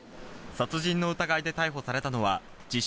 殺人の疑いで逮捕されたのは自称